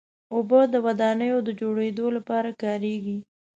اوبه د ودانیو د جوړېدو لپاره کارېږي.